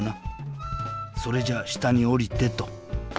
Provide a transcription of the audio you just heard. それじゃあしたにおりてと。